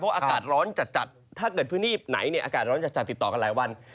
อากาศร้อนจัดถ้าเกิดพื้นที่ไหนอากาศร้อนจัดติดต่อกันหลายวัน